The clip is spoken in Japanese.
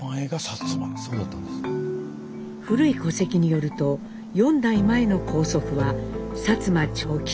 古い戸籍によると４代前の高祖父は薩摩長吉。